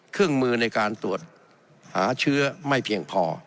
เครื่องมือในการตรวจหาเชื้อไม่เพียงพอ